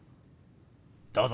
どうぞ。